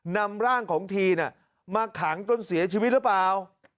นำร่างของทีมาขังจนเสียชีวิตหรือเปล่า